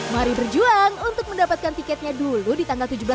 mari berjuang untuk mendapatkan tiketnya dulu di tanggal tujuh belas mei nanti ya